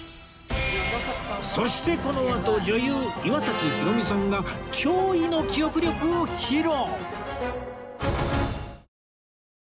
そしてこのあと女優岩崎ひろみさんが驚異の記憶力を披露！